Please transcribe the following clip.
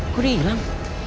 kok dia hilang